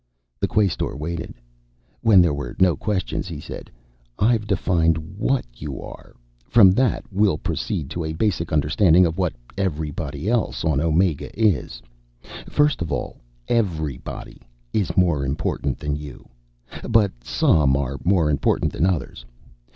The Quaestor waited. When there were no questions, he said, "I've defined what you are. From that, we'll proceed to a basic understanding of what everybody else on Omega is. First of all, everybody is more important than you; but some are more important than others.